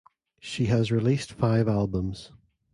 She has released five albums.